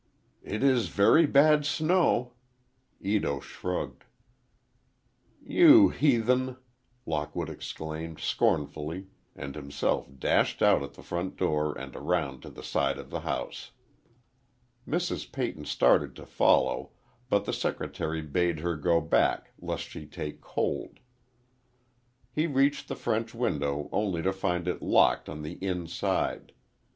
"It is very bad snow—" Ito shrugged. "You heathen!" Lockwood exclaimed, scornfully, and himself dashed out at the front door and around to the side of the house. Mrs. Peyton started to follow, but the secretary bade her go back lest she take cold. He reached the French window only to find it locked on the inside.